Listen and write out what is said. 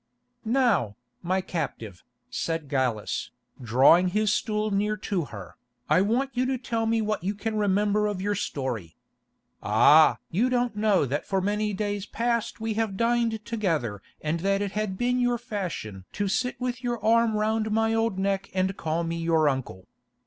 "Now, my captive," said Gallus, drawing his stool near to her, "I want you to tell me what you can remember of your story. Ah! you don't know that for many days past we have dined together and that it had been your fashion to sit with your arm round my old neck and call me your uncle.